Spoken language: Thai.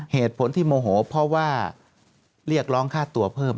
เหตุผลที่โมโหเพราะว่าเรียกร้องค่าตัวเพิ่ม